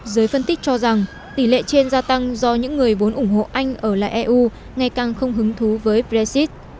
giới phân tích cho rằng tỷ lệ trên gia tăng do những người vốn ủng hộ anh ở lại eu ngày càng không hứng thú với brexit